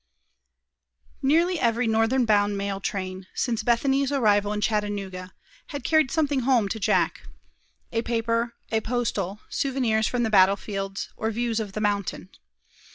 NEARLY every northern bound mail train, since Bethany's arrival in Chattanooga, had carried something home to Jack a paper, a postal, souvenirs from the battle fields, or views of the mountain.